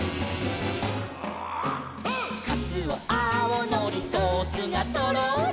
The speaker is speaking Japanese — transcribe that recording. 「かつおあおのりソースがとろり」